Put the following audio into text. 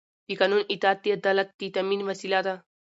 د قانون اطاعت د عدالت د تأمین وسیله ده